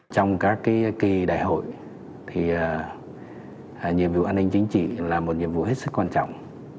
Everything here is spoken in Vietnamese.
trong các kỳ đại hội thì nhiệm vụ an ninh chính trị là một nhiệm vụ hết sức quan trọng